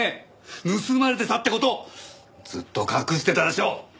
盗まれてたって事ずっと隠してたでしょ！